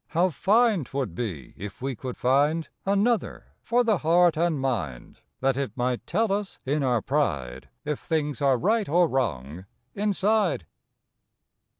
How fine twould be if we could find Another for the heart and mind That it might tell us in our pride If things are right or wrong inside.